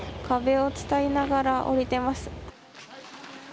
壁を伝いながら下りています。